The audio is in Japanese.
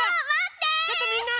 ちょっとみんな！